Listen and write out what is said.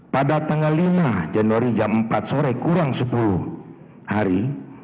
pada tanggal lima januari jam empat sore kurang sepuluh hari